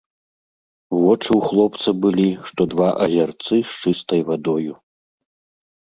Вочы ў хлопца былі, што два азярцы з чыстай вадою.